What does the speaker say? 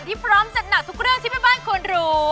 พร้อมจัดหนักทุกเรื่องที่แม่บ้านควรรู้